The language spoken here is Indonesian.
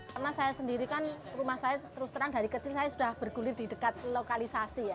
karena saya sendiri kan rumah saya terus terang dari kecil saya sudah bergulir di dekat lokalisasi ya